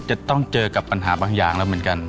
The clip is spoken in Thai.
จะต้องเจอกับปัญหาบางอย่างแล้วเหมือนกัน